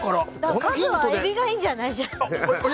カズはエビがいいんじゃない？